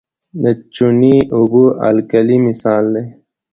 د چونې اوبه د القلي مثال دی.